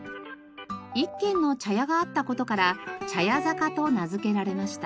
１軒の茶屋があった事から茶屋坂と名付けられました。